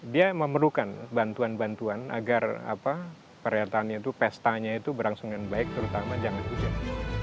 dia memerlukan bantuan bantuan agar perhelatannya itu pestanya itu berangsungan baik terutama jangan hujan